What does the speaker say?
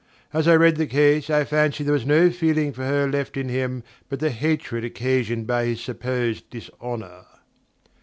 As I read the case, I fancy there was no feeling for her left in him but the hatred occasioned by his supposed dishonour.